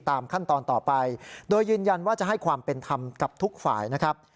ตามขั้นตอนต่อไปโดยยืนยันว่าจะให้ความเป็นธรรมกับทุกฝ่ายนะครับ